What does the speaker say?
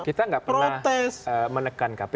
kita tidak pernah menekan kpu